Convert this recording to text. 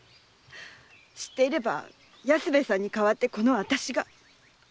知っていれば安兵衛さんに代わってこのあたしが。